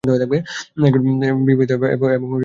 তিনি বিবাহিত এবং তার তিন পুত্র রয়েছে।